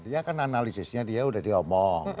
dia kan analisisnya dia udah diomong